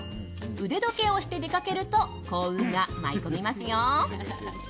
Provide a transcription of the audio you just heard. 腕時計をして出かけると幸運が舞い込みますよ。